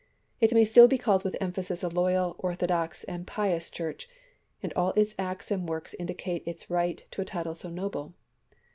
It may still be called with emphasis a loyal, orthodox, and pious Church, and all its acts and works indicate its right to a title so noble.